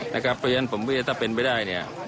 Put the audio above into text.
เพราะฉะนั้นผมว่าถ้าเป็นไปได้